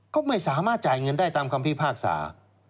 ก็ไม่สามารถจ่ายเงินได้ตามคำพิพากษา